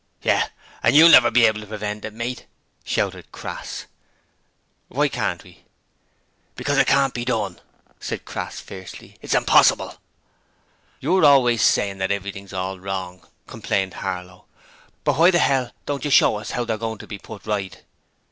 'Yes, and you'll never be able to prevent it, mate!' shouted Crass. 'Why can't we?' 'Because it can't be done!' cried Crass fiercely. 'It's impossible!' 'You're always sayin' that everything's all wrong,' complained Harlow, 'but why the 'ell don't you tell us 'ow they're goin' to be put right?'